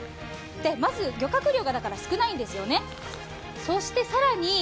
漁獲量が少ないんですよね。